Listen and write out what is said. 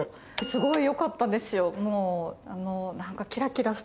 すごいよかったですよ。